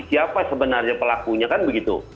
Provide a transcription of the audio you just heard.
siapa sebenarnya pelakunya kan begitu